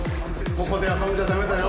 ここであそんじゃダメだよ。